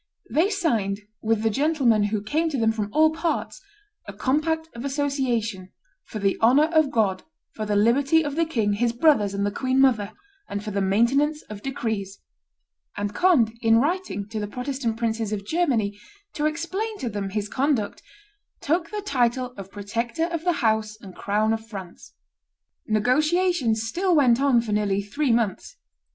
They signed, with the gentlemen who came to them from all parts, a compact of association "for the honor of God, for the liberty of the king, his brothers and the queen mother, and for the maintenance of decrees;" and Conde, in writing to the Protestant princes of Germany to explain to them his conduct, took the title of protector of the house and crown of France. Negotiations still went on for nearly three months.